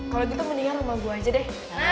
kalo gitu mendingan rumah gue aja deh